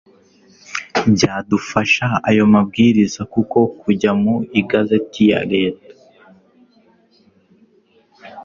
byadufasha ayo mabwiriza kuko kujya mu Igazeti ya let